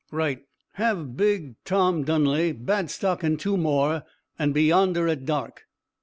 "Right. Have big Tom Dunley, Badstock and two more, and be yonder at dark.